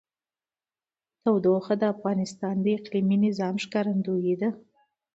تودوخه د افغانستان د اقلیمي نظام ښکارندوی ده.